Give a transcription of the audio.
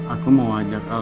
aku mau ajak al